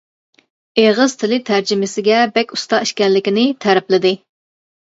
ئېغىز تىلى تەرجىمىسىگە بەك ئۇستا ئىكەنلىكىنى تەرىپلىدى.